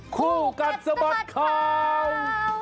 คู่กันสบัติข่าว